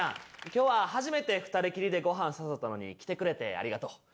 今日は初めて２人きりでご飯誘ったのに来てくれてありがとう。